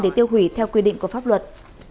để tiêu hủy theo quy định của pháp luật